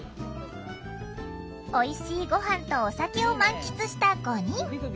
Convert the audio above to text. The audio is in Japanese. おいしいご飯とお酒を満喫した５人。